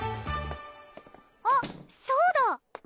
あっそうだ！